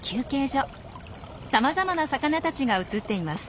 さまざまな魚たちが映っています。